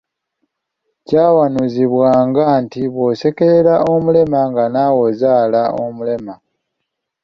Kyawanuuzibwanga nti bw'osekerera omulema nga naawe ozaala omulema.